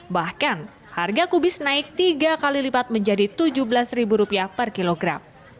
bahkan harga kubis naik tiga kali lipat menjadi rp tujuh belas per kilogram